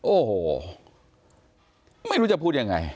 โอ้โหไม่รู้จะพูดยังไง